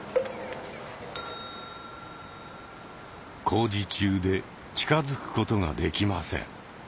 工事中で近づくことができません。